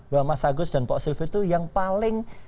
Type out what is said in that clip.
bahwa mas agus dan pak silvi itu yang paling